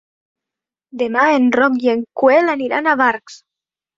Demà en Roc i en Quel iran a Barx.